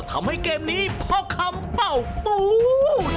ทำให้เคมนี้เพราะคำเป้าตู